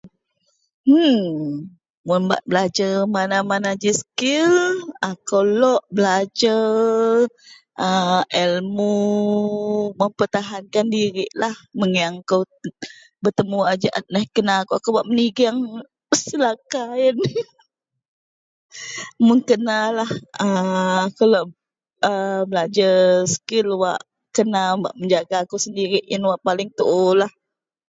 nnnn...Mun bak belajar mana-mana ji skil akou lok belajar ilmu mempertahankan dirilah menyengang akou bertemu a jaat, kena kawak akou menigeng selaka iyen. Mun kenalah akou belajar skil wak kena mempertahankan diri iyen wak paling tuolah.